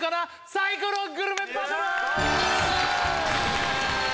サイコログルメバトルー！